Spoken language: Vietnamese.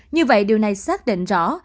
như vậy điều này xác định gió